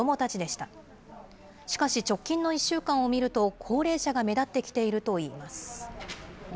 しかし直近の１週間を見ると、高齢者が目立ってきているといいます。